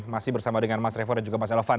masih bersama dengan mas revo dan juga mas elvan